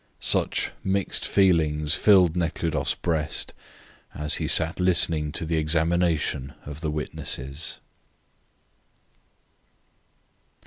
Such mixed feelings filled Nekhludoff's breast as he sat listening to the examination of the witnesses.